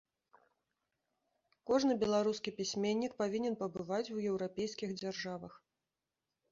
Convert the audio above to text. Кожны беларускі пісьменнік павінен пабываць у еўрапейскіх дзяржавах.